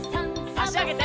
あしあげて。